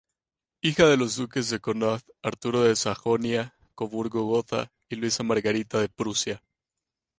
Hija de los duques de Connaught, Arturo de Sajonia-Coburgo-Gotha y Luisa Margarita de Prusia.